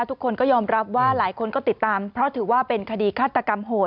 ทุกคนก็ยอมรับว่าหลายคนก็ติดตามเพราะถือว่าเป็นคดีฆาตกรรมโหด